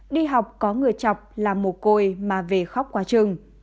đi học có người chọc là mồ côi mà về khóc quá chừng